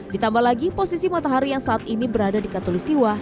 ditambah lagi posisi matahari yang saat ini berada di katolistiwa